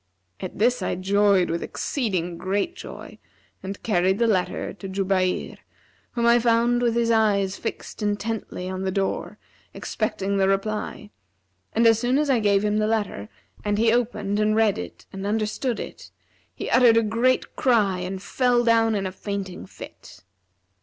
At this I joyed with exceeding great joy and carried the letter to Jubayr, whom I found with his eyes fixed intently on the door, expecting the reply and as soon as I gave him the letter and he opened and read it and understood it, he uttered a great cry and fell down in a fainting fit.